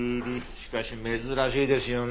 しかし珍しいですよね。